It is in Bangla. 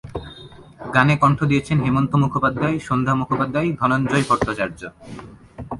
গানে কণ্ঠ দিয়েছেন হেমন্ত মুখোপাধ্যায়, সন্ধ্যা মুখোপাধ্যায়, ধনঞ্জয় ভট্টাচার্য।